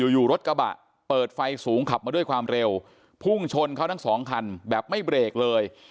อยู่รถกระบะเปิดไฟสูงขับมาด้วยความเร็วพุ่งชนเขาทั้งสองคันแบบไม่เบรกเลย